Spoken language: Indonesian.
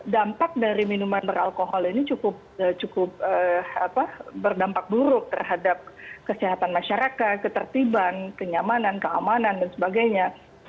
dampak dari minuman beralkohol ini cukup berdampak buruk terhadap kesehatan masyarakat ketertiban kenyamanan keamanan dan sebagainya